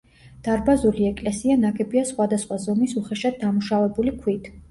დარბაზული ეკლესია ნაგებია სხვადასხვა ზომის უხეშად დამუშავებული ქვით.